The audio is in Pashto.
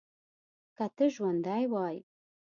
که ته ژوندی وای.